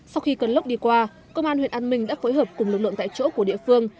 sau khi cơn lốc đi qua công an huyện an minh đã phối hợp cùng lực lượng tại chỗ của địa phương